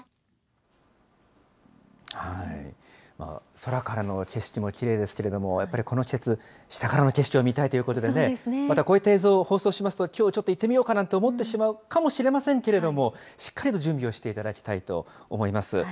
空からの景色もきれいですけれども、やっぱりこの季節、下からの景色を見たいということでね、またこういった映像を放送しますと、きょうちょっと行ってみようかななんて思ってしまうかもしれませんけれども、しっかりと準備をしていただきたいと思います。